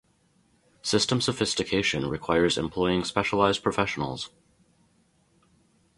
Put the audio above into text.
System sophistication requires employing specialised professionals.